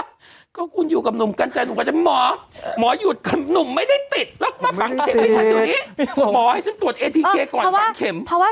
ทำไมหมอเธอไม่ให้ฉันเข้าไป